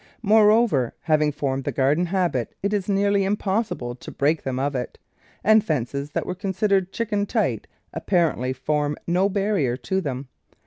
Moreover, having formed the garden habit it is nearly impossible to break them of it, and fences that were considered chicken tight apparently form no barrier to them.